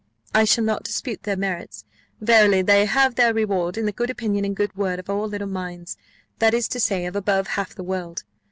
I shall not dispute their merits. Verily, they have their reward in the good opinion and good word of all little minds, that is to say, of above half the world.